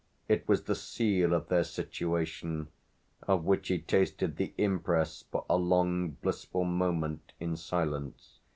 It was the seal of their situation of which he tasted the impress for a long blissful moment in silence.